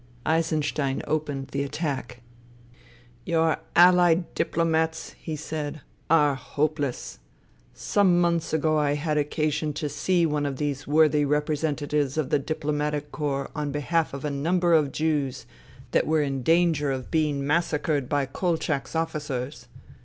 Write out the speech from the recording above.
Eisenstein opened the attack. " Your allied diplomats," he said, " are hopeless. Some months ago I had occasion to see one of these worthy repre sentatives of the diplomatic corps on behalf of a number of Jews that were in danger of being mas 212 FUTILITY sacred by Kolchak's officers.